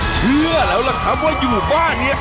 เชื่อแล้วล่ะครับว่าอยู่บ้านนี้